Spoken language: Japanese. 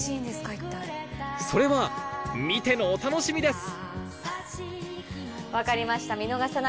それは見てのお楽しみです！